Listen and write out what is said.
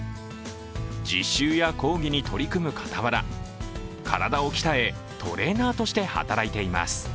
実習や講義に取り組むかたわら体を鍛え、トレーナーとして働いています。